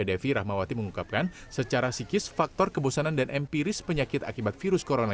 devi rahmawati mengungkapkan secara sikis faktor kebosanan dan empiris penyakit akibat virus corona